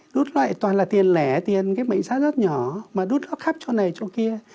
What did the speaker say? đút lót toàn là tiền lẻ tiền cái mệnh giá rất nhỏ mà đút lót khắp chỗ này chỗ kia